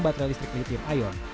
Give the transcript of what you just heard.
baterai listrik lithium ion